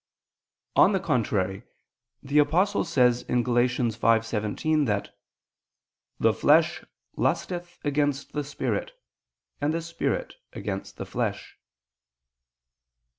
On the contrary, The Apostle says (Gal. 5:17) that "the flesh lusteth against the spirit, and the spirit against the flesh."